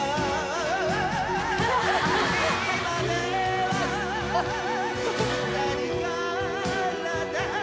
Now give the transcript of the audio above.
「今では二人からだ」